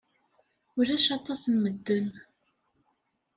Ulac aṭas n medden.